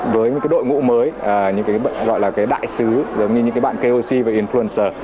với đội ngũ mới những đại sứ giống như những bạn koc và influencer